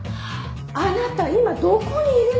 あなた今どこにいるのよ！